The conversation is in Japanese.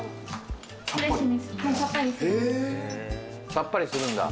さっぱりするんだ。